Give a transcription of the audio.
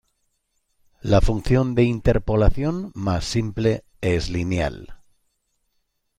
La función de interpolación más simple es lineal.